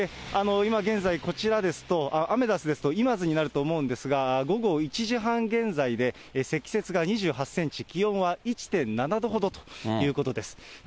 今現在、こちらですと、アメダスですと、今津になると思うんですが、午後１時半現在で積雪が２８センチ、気温は１．７度ほどということです。